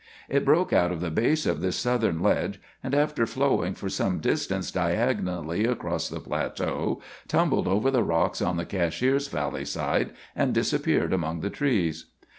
It broke out of the base of this southern ledge, and after flowing for some distance diagonally across the plateau tumbled over the rocks on the Cashiers valley side and disappeared among the trees.